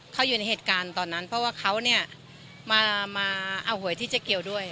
เขาอยู่ในเหตุการณ์ตอนนั้นเพราะว่าเขาเนี่ยมาเอาหวยที่เจ๊เกียวด้วย